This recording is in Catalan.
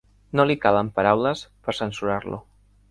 No li calen paraules, per censurar-lo.